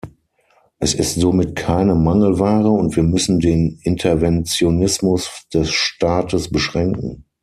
Es ist somit keine Mangelware, und wir müssen den Interventionismus des Staates beschränken.